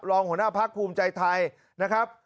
รองหัวหน้าพักภูมิใจไทยนะครับ